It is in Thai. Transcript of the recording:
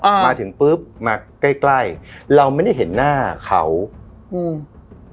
อ่ามาถึงปุ๊บมาใกล้ใกล้เราไม่ได้เห็นหน้าเขาอืม